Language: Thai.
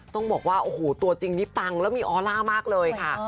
ต้องบอกว่าโอ้โหตัวจริงนี่ปังแล้วมีออร่ามากเลยค่ะ